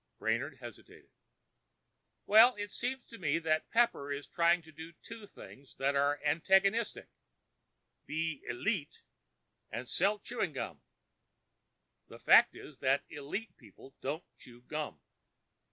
Brainard hesitated. "Well, it seemed to me that Pepper is trying to do two things that are antagonistic: be 'élite' and sell chewing gum. The fact is that élite people don't chew gum.